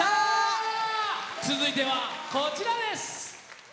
続いてはこちらです。